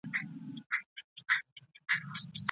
يا مصالحه سره وکړي، يا صبر سره وکړي.